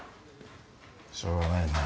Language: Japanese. しょうがないな。